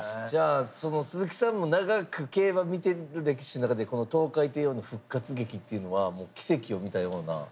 じゃあその鈴木さんも長く競馬見てる歴史の中でこのトウカイテイオーの復活劇っていうのはもう奇跡を見たような。